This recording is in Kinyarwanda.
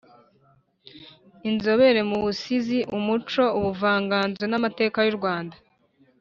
Inzobere mu Busizi, Umuco, Ubuvanganzo n’amateka y’u Rwanda